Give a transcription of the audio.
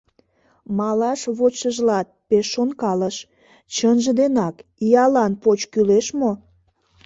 Малаш вочшыжлат пеш шонкалыш: чынже денак иялан поч кӱлеш мо?